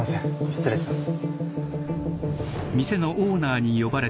失礼します。